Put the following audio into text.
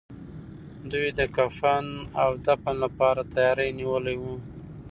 دوی د کفن او دفن لپاره تياری نيولی و.